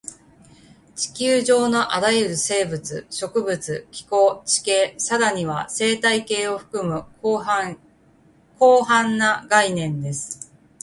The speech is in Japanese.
地球上のあらゆる生物、植物、気候、地形、さらには生態系を含む広範な概念です